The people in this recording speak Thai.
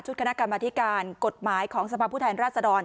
คณะกรรมธิการกฎหมายของสภาพผู้แทนราชดร